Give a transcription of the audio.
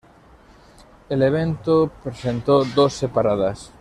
El evento presentó dos separadas.